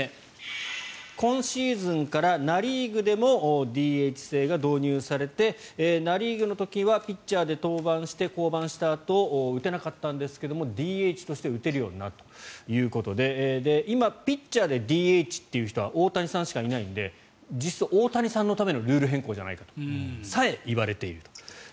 １つ目、今シーズンからナ・リーグでもＤＨ制が導入されてナ・リーグの時はピッチャーで登板して降板したあと打てなかったんですがＤＨとして打てるようになるということで今、ピッチャーでＤＨという人は大谷さんしかいないので実質、大谷さんのためのルール変更じゃないかとさえ言われている。